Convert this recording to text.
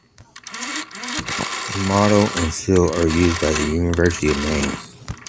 The motto and seal are used by the University of Maine.